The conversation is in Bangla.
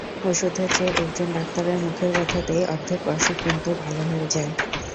ওষুধের চেয়ে একজন ডাক্তারের মুখের কথাতেই অর্ধেক অসুখ কিন্তু ভালো হয়ে যায়।